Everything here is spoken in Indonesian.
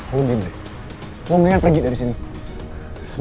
kau mendingan pergi dari sini